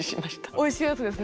おいしいやつですね。